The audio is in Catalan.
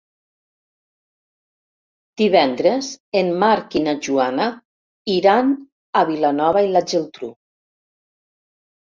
Divendres en Marc i na Joana iran a Vilanova i la Geltrú.